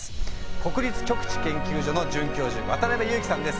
国立極地研究所の准教授渡辺佑基さんです。